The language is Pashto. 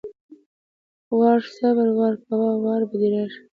وار=صبر، وار کوه وار به دې راشي!